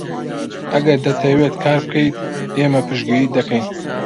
ئەگەر دەتەوێت کار بکەیت، ئێمە پشتگیریت دەکەین.